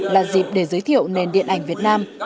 là dịp để giới thiệu nền điện ảnh việt nam